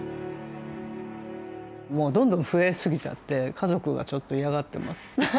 もう、どんどん増えすぎちゃって家族が、ちょっと嫌がってます。